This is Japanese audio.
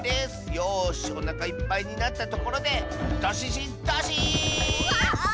よしおなかいっぱいになったところでドシシンドシーン！